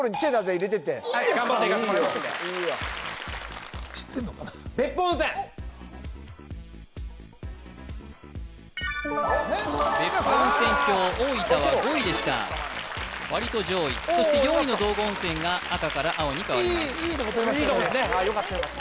入れてってはい頑張っていかせてもらいますんで知ってんのかな別府温泉郷大分は５位でした割と上位そして４位の道後温泉が赤から青に変わりますいいとことりましたいいとこですねよかった